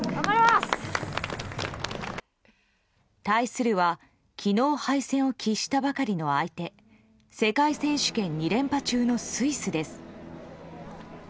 対するは昨日敗戦を喫したばかりの相手世界選手権２連覇中のスイスです。